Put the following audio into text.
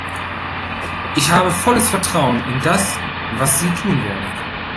Ich habe volles Vertrauen in das, was Sie tun werden.